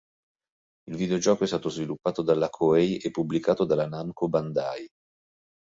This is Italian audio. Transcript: Il videogioco è stato sviluppato dalla Koei e pubblicato dalla Namco Bandai.